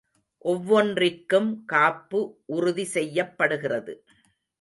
ஒவ்வொன்றிற்கும் காப்பு உறுதி செய்யப்படுகிறது.